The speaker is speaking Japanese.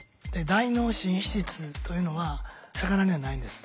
大脳新皮質というのは魚にはないんです。